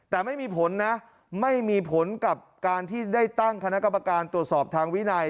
แต่ไม่มีผลนะไม่มีผลกับการที่ได้ตั้งคณะกรรมการตรวจสอบทางวินัย